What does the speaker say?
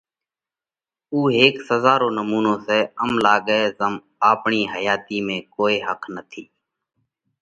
اُو هيڪ سزا رو نمُونو سئہ۔ ام لاڳئه زم آپڻِي حياتِي ۾ ڪوئي ۿک نٿِي۔